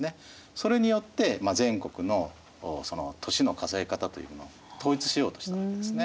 それによって全国の年の数え方というものを統一しようとしたわけですね。